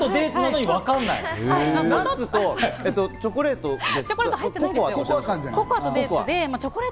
ナッツとチョコレート？